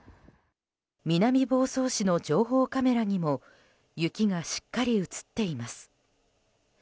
南房総市の情報カメラにも雪がしっかり映っています。